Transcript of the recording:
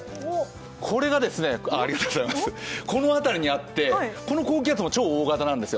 これがこの辺りにあってこの高気圧も超大型なんですよ。